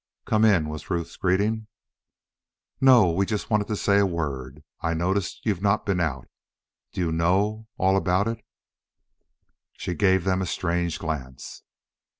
"Come in," was Ruth's greeting. "No. We just wanted to say a word. I noticed you've not been out. Do you know all about it?" She gave them a strange glance.